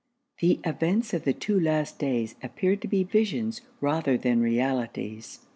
The events of the two last days appeared to be visions rather than realities.